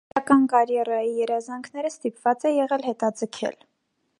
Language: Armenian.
Գրական կարիերայի երազանքները ստիպված է եղել հետաձգել։